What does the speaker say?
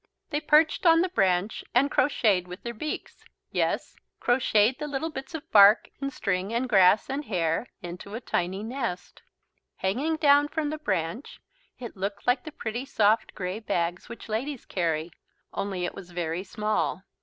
They perched on the branch and crocheted with their beaks. Yes, crocheted the little bits of bark and string and grass and hair into a tiny nest. Hanging down from the branch, it looked like the pretty soft grey bags which ladies carry, only it was very small.